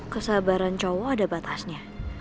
kesabaran cowok ada batasnya